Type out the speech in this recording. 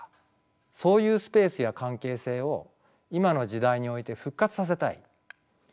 そういうスペースや関係性を今の時代において復活させたい新たにつくり出したい。